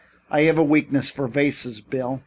I have a weakness for vases, Bill.